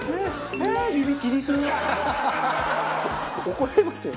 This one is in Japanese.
怒られますよ。